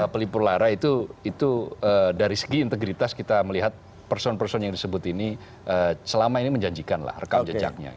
pelipur lara itu dari segi integritas kita melihat person person yang disebut ini selama ini menjanjikan lah rekam jejaknya